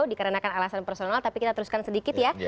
dikarenakan alasan personal tapi kita teruskan sedikit ya